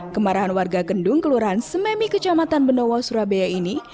kemarahan warga kendung kelurahan sememi kecamatan benowo surabaya ini